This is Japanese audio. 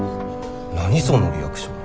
何そのリアクション。